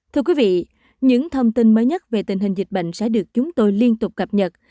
thưa quý vị những thông tin mới nhất về tình hình dịch bệnh sẽ được chúng tôi liên tục cập nhật